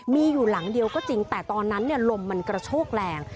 มีอยู่หลังเดียวก็จริงแต่ตอนนั้นลมมันกระโชกแรง